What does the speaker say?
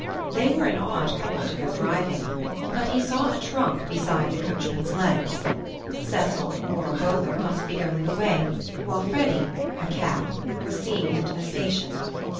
They were an odd couple to go driving; but he saw a trunk beside the coachman's legs. Cecil, who wore a bowler, must be going away, while Freddy (a cap)—was seeing him to the station.